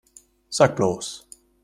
Sag bloß!